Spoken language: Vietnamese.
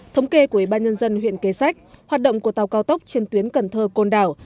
thống kê của ủy ban nhân dân huyện kế sách hoạt động của tàu cao tốc trên tuyến cần thơ côn đảo